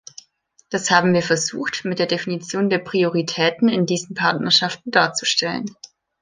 Das haben wir versucht, mit der Definition der Prioritäten in diesen Partnerschaften darzustellen.